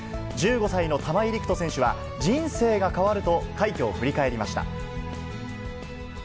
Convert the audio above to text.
１５歳の玉井陸斗選手は人生が変わると快挙を振り返りました。